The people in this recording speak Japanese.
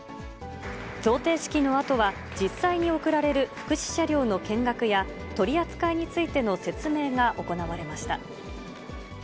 贈呈式のあとは、実際に贈られる福祉車両の見学や、取り扱いについての説明が行われました。